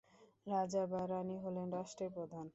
রাজা বা রাণী হলেন রাষ্ট্রের প্রধান।